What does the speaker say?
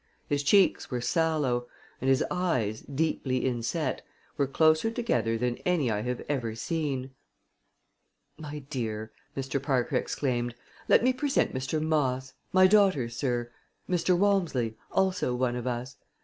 His cheeks were sallow; and his eyes, deeply inset, were closer together than any I have ever seen. "My dear," Mr. Parker exclaimed, "let me present Mr. Moss my daughter, sir; Mr. Walmsley also one of us.